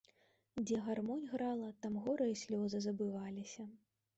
Дзе гармонь грала, там гора і слёзы забываліся.